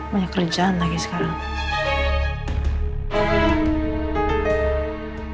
banyak kerjaan lagi sekarang